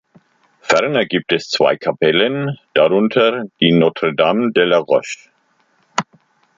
Ferner gibt es zwei Kapellen, darunter die Notre Dame de la Roche.